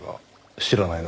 知らないな。